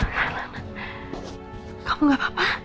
kamu gak apa apa